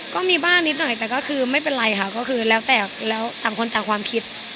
ก็มีบ้างนิดหน่อยแต่ก็คือไม่เป็นไรค่ะก็คือแล้วแต่แล้วต่างคนต่างความคิด